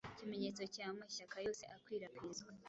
Ikimenyetso cya mashyaka yose akwirakwizwa